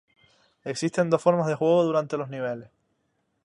Existen dos formas de juego durante los niveles.